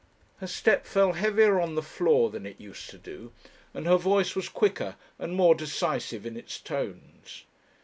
Her step fell heavier on the floor than it used to do, and her voice was quicker and more decisive in its tones.